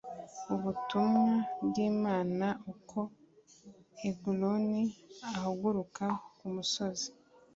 ubutumwa bw Imana Nuko Eguloni ahaguruka kumusozi